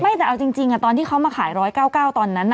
แต่เอาจริงตอนที่เขามาขาย๑๙๙ตอนนั้น